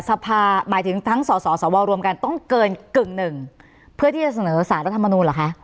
สภาหมายถึงทั้งสสวรวมกันต้องเกินกึ่งหนึ่งเพื่อที่จะเสนอสารรัฐมนูลเหรอคะ